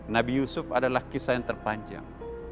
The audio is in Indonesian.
nabi yusuf adalah kisah yang terpanjang